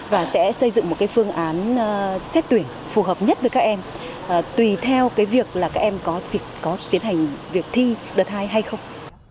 và sẽ xây dựng một cái phương án xét tuyển phù hợp nhất với các em tùy theo cái việc là các em có việc có tiến hành việc thi đợt hai hay không